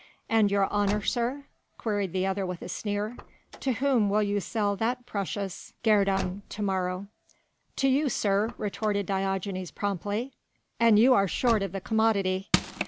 "And your honour, sir?" queried the other with a sneer, "to whom will you sell that precious guerdon to morrow?" "To you, sir," retorted Diogenes promptly, "an you are short of the commodity."